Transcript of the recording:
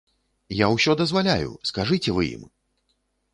Я ўсё дазваляю, скажыце вы ім!